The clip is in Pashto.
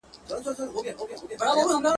ډېر یاران هم په کار نه دي بس هغه ملګري بس دي.